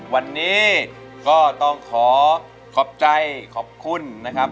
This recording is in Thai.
วันนี้ก็ต้องขอขอบใจขอบคุณนะครับ